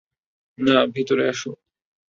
না, ভিতরে আসো।